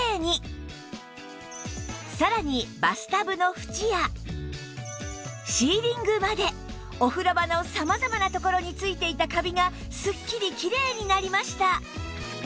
さらにバスタブの縁やシーリングまでお風呂場の様々な所についていたカビがすっきりきれいになりました